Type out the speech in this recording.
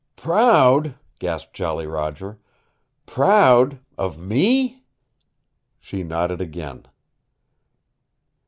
"Proud!" gasped Jolly Roger. "Proud, of ME " She nodded again.